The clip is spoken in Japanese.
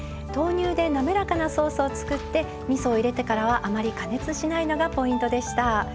豆乳でなめらかなソースを作ってみそを入れてからはあまり加熱しないのがポイントでした。